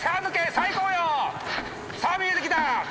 さぁ見えてきた！